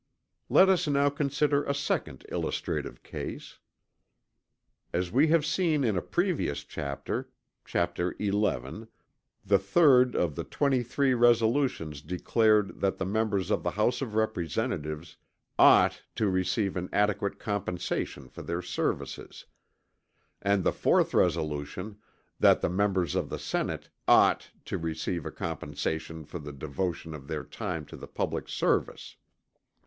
Let us now consider a second illustrative case: As we have seen in a previous chapter (Chap. XI) the 3d of the 23 resolutions declared that the members of the House of Representatives "ought" to receive an adequate compensation for their services; and the 4th resolution, that the members of the Senate "ought" "to receive a compensation for the devotion of their time to the public service."